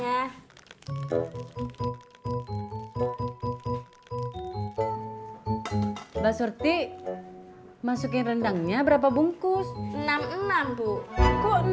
ya maksudnya mbak surti cuma emaknya mbak tati bunur bang ojak tidak ada bang ojak disuruh pulang sama emak biar bisa ngojek katanya